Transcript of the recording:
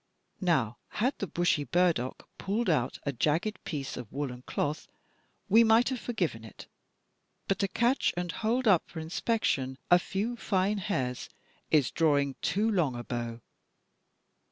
Now, had the bushy burdock pulled out a jagged piece of woolen cloth we might have forgiven it, but to catch and hold up for inspection a few fine hairs is drawing too long a bow.